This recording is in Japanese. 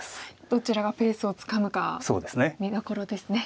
どちらがペースをつかむか見どころですね。